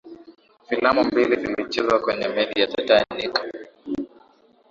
filamu mbili zilichezwa kwenye meli ya titanic